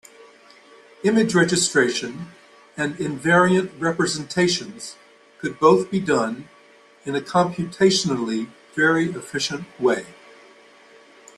Image registration and invariant representations could both be done in a computationally very efficient way.